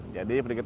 jadi beritahu bahwa